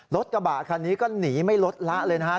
รถกระบะคันนี้ก็หนีไม่ลดละเลยนะฮะ